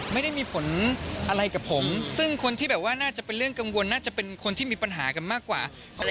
ไม่ได้มีผลอะไรกับผมซึ่งคนที่แบบว่าน่าจะเป็นเรื่องกังวลน่าจะเป็นคนที่มีปัญหากันมากกว่า